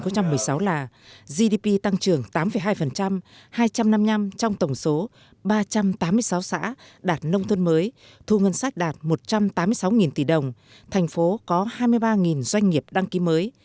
đó là gdp tăng trưởng tám hai hai trăm năm mươi năm trong tổng số ba trăm tám mươi sáu xã đạt nông thôn mới thu ngân sách đạt một trăm tám mươi sáu tỷ đồng thành phố có hai mươi ba doanh nghiệp đăng ký mới